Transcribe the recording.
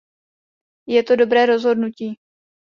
Je to dobré rozhodnutí.